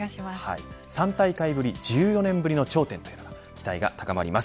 ３大会ぶり１４年ぶりの頂点に期待が高まります。